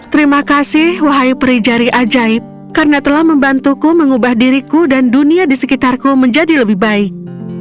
terima kasih wahyu perijari ajaib karena telah membantuku mengubah diriku dan dunia di sekitarku menjadi lebih baik